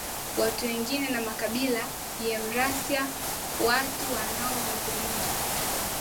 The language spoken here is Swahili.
watu wengine na makabila ya Eurasia Watu wanaozungumza